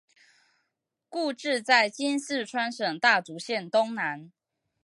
故治在今四川省大竹县东南。